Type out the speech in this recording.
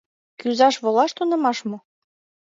Кӱзаш-волаш тунемаш мо?